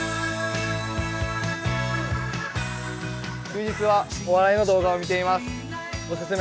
休日はお笑いの動画を見ています。